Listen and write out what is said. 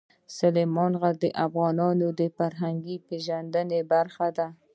سلیمان غر د افغانانو د فرهنګي پیژندنې برخه ده.